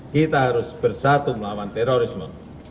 kita harus bersatu melawan terorisme